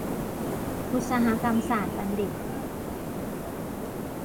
อุตสาหกรรมศาสตรบัณฑิต